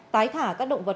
tái thả các động vật